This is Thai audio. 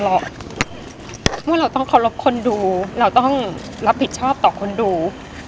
เพราะเมื่อเราต้องเคารพคนดูเราต้องรับผิดชอบต่อคนดู